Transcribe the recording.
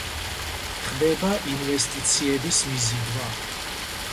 ხდება ინვესტიციების მიზიდვა.